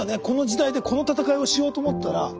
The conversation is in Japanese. この時代でこの闘いをしようと思ったら。